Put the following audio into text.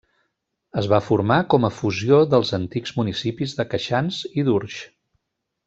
Es va formar com a fusió dels antics municipis de Queixans i d'Urtx.